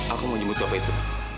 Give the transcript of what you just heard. aku mau jemput bapak itu